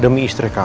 demi istri kamu